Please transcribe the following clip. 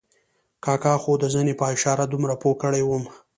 کاکا خو د زنې په اشاره دومره پوه کړی وم.